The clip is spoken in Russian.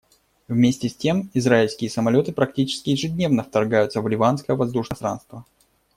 Вместе с тем, израильские самолеты практически ежедневно вторгаются в ливанское воздушное пространство.